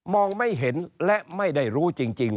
ไม่เห็นและไม่ได้รู้จริง